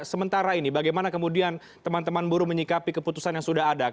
sementara ini bagaimana kemudian teman teman buruh menyikapi keputusan yang sudah ada